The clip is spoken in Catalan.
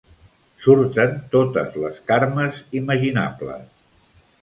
Surten totes les Carmes imaginables.